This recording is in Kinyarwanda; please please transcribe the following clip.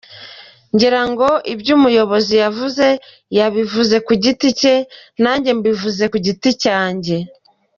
Ngira ngo ibyo umuyobozi yavuze yabivuze ku giti cye nanjye mbivuze ku giti cyanjye.